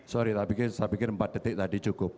sorry tapi saya pikir empat detik tadi cukup